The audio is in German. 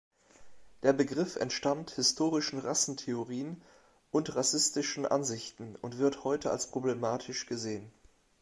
Der Begriff entstammt historischen Rassentheorien und rassistischen Ansichten, und wird heute als problematisch gesehen.